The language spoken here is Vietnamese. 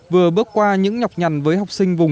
vừa bước qua những nhọc nhằn với học sinh vô tình